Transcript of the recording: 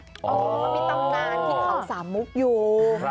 ก็มีตำนาญที่เขามี๓มุขอยู่